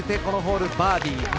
このホール、バーディー。